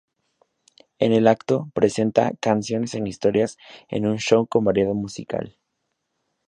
En el acto, presenta "canciones e historias en un show con variedad musical.